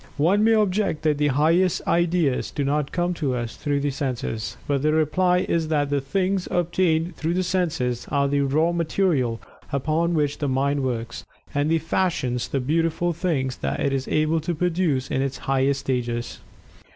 One may object that the highest ideas do not come to us through the senses, but the reply is that the things obtained through the senses are the "raw material" upon which the mind works, and fashions the beautiful things that it is able to produce in its highest stages.